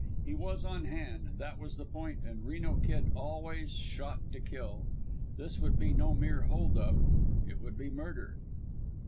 He was on hand, that was the point; and Reno Kid always "shot to kill." This would be no mere hold up; it would be murder.